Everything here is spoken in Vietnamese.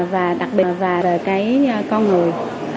và đặc biệt là về cái con người